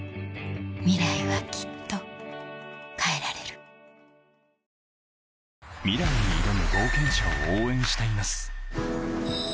ミライはきっと変えられるミライに挑む冒険者を応援しています